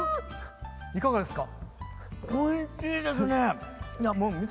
いかがですか？